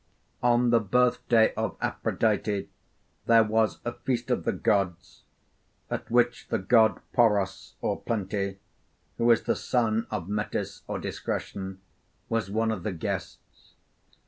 On the birthday of Aphrodite there was a feast of the gods, at which the god Poros or Plenty, who is the son of Metis or Discretion, was one of the guests.